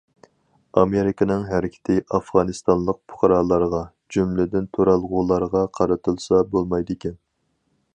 ئامېرىكىنىڭ ھەرىكىتى ئافغانىستانلىق پۇقرالارغا، جۈملىدىن تۇرالغۇلارغا قارىتىلسا بولمايدىكەن.